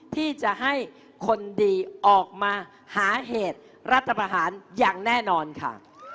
ที่จะให้คนดีออกมาหาเหตุรัฐประหารอย่างแน่นอนค่ะ